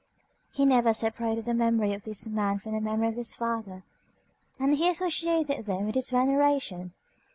He never separated the memory of this man from the memory of his father, and he associated them in his veneration.